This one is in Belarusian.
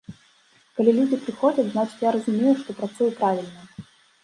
Калі людзі прыходзяць, значыць я разумею, што працую правільна.